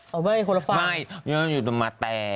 เอ้าไม่โคลโลฟังไม่อยู่ตรงนี้แปล